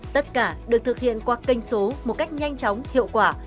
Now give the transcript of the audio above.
tất cả được thực hiện qua kênh số một cách nhanh chóng hiệu quả